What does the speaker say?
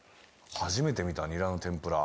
初めて見たニラの天ぷら